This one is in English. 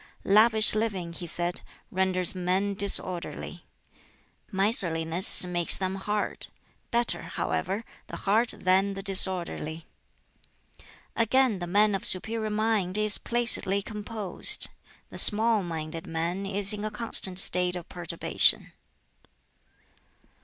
"Lavish living," he said, "renders men disorderly; miserliness makes them hard. Better, however, the hard than the disorderly." Again, "The man of superior mind is placidly composed; the small minded man is in a constant state of perturbation."